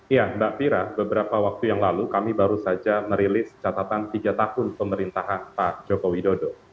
ya mbak fira beberapa waktu yang lalu kami baru saja merilis catatan tiga tahun pemerintahan pak joko widodo